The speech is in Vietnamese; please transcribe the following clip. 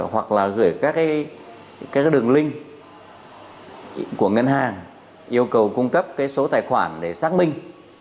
hoặc là gửi các cái đường link của ngân hàng yêu cầu cung cấp cái số tài khoản để xác minh